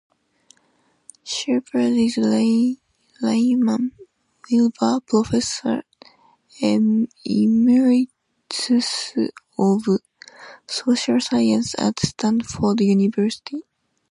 Shepard is Ray Lyman Wilbur Professor Emeritus of Social Science at Stanford University.